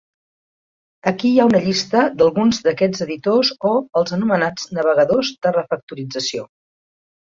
Aquí hi ha una llista d'alguns d'aquests editors, o els anomenats navegadors de refactorització.